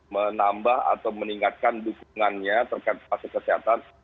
menambah atau meningkatkan dukungannya terkait fasilitas kesehatan